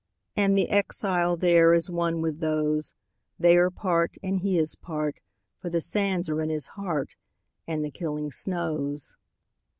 And the exile thereIs one with those; They are part, and he is part, For the sands are in his heart, And the killing snows.